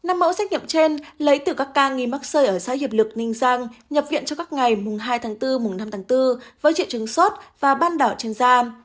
năm mẫu xét nghiệm trên lấy từ các ca nghi mắc rơi ở xã hiệp lực ninh giang nhập viện cho các ngày hai bốn năm bốn với triệu chứng sốt và ban đảo trên da